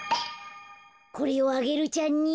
これをアゲルちゃんに。